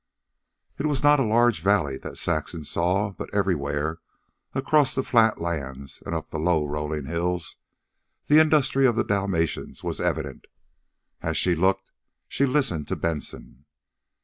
It was not a large valley that Saxon saw. But everywhere, across the flat lands and up the low rolling hills, the industry of the Dalmatians was evident. As she looked she listened to Benson.